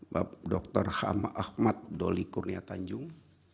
bapak dr hama ahmad doli kurnia tanjung